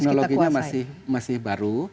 teknologinya masih baru